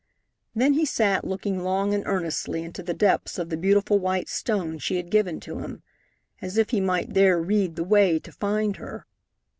Then he sat looking long and earnestly into the depths of the beautiful white stone she had given to him, as if he might there read the way to find her.